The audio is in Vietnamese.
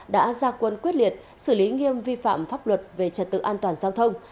đã ra quân quyết liệt xử lý nghiêm vi phạm pháp luật về trật tự an toàn giao thông